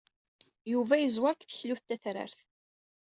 Yuba yeẓwer deg teklut tatrart.